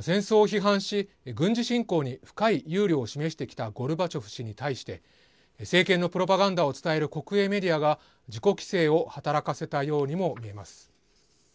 戦争を批判し軍事侵攻に深い憂慮を示してきたゴルバチョフ氏に対して政権のプロパガンダを伝える国営メディアが自己規制を働かせたようにも見えます。